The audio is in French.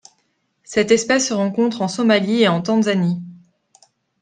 Cette espèce se rencontre en Somalie et en Tanzanie.